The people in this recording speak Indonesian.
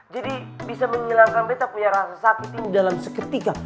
jadi bisa menghilangkan beta punya rasa sakit ini dalam seketika